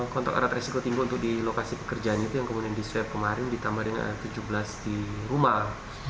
kontak erat resiko tinggi untuk di lokasi pekerjaan itu yang kemudian di swab kemarin ditambah dengan tujuh belas di rumah